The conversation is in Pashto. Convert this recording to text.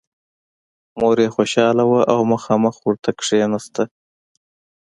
مور یې خوشحاله وه او مخامخ ورته کېناسته